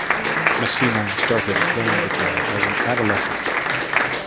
Messina started playing guitar as an adolescent.